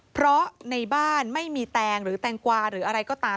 เพราะในบ้านไม่มีแตงหรือแตงกวาหรืออะไรก็ตาม